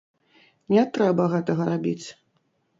Не трэба гэтага рабіць.